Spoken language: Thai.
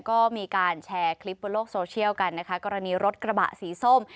ก็มีการแชร์คลิปบนโลกโซเชียลกันนะคะกรณีรถกระบะสีส้ม